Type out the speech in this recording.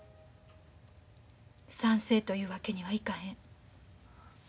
賛成というわけにはいかへん。